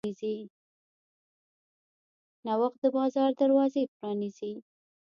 نوښت د بازار دروازې پرانیزي.